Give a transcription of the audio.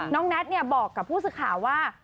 น้องแนทเนี่ยบอกกับผู้ศึกข่าวว่า